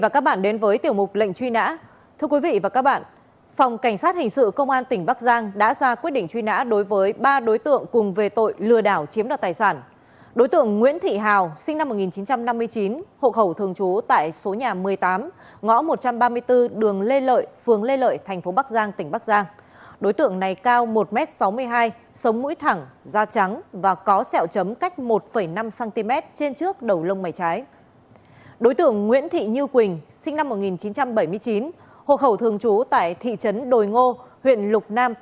chào mừng quý vị đến với tiểu mục lệnh truy nã